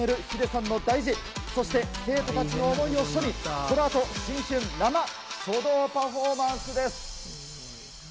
ヒデさんの大字、そして生徒たちの思いを書に、このあと新春生書道パフォーマンスです。